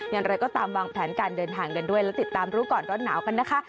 อย่างไรก็ตามวางแผนการเดินทางกันด้วยและติดตามรู้ก่อนร้อนหนาวกันนะคะ